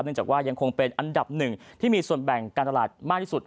จากว่ายังคงเป็นอันดับหนึ่งที่มีส่วนแบ่งการตลาดมากที่สุด